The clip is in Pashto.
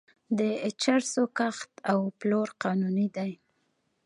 د چرسو کښت او پلور قانوني دی.